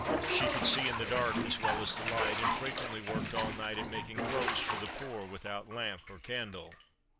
She could see in the dark as well as the light, and frequently worked all night at making clothes for the poor, without lamp or candle.